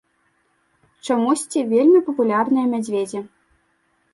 Чамусьці вельмі папулярныя мядзведзі.